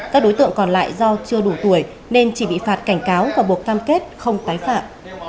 các đối tượng còn lại do chưa đủ tuổi nên chỉ bị phạt cảnh cáo và buộc cam kết không tái phạm